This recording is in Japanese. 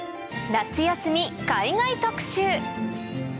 夏休み海外特集！